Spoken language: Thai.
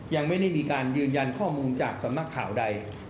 ยังไม่ได้มีการยืนยันข้อมูลจากสำนักข่าวใด